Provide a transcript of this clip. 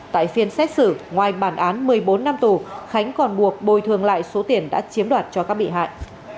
tại phiên xét xử ngoài bản án một mươi bốn năm tù khánh còn buộc bồi thường lại số tiền đã chiếm đoạt cho các bị hại